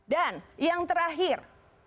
dan yang terakhir